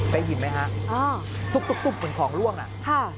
ไปหินไหมฮะตุ๊บเหมือนของร่วงน่ะฮ่า